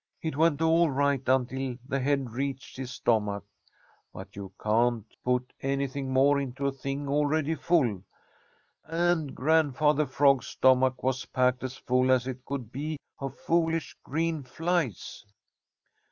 It went all right until the head reached his stomach. But you can't put anything more into a thing already full, and Grandfather Frog's stomach was packed as full as it could be of foolish green flies.